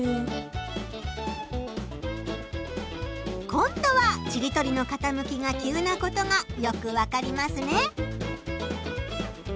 今度はちりとりのかたむきが急なことがよくわかりますね！